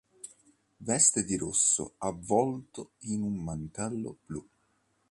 Veste di rosso avvolto in un mantello blu.